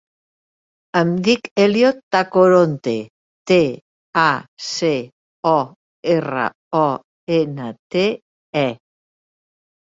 Em dic Elliot Tacoronte: te, a, ce, o, erra, o, ena, te, e.